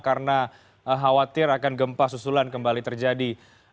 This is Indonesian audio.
karena khawatir akan gempa susulan kembali terjadi